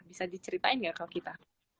bisa diceritain nggak kalau kita